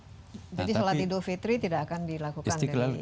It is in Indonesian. jadi sholat idul fitri tidak akan dilakukan dari istiqlal